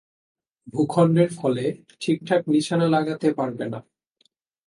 ভূখণ্ডের ফলে ঠিকঠাক নিশানা লাগাতে পারবে না।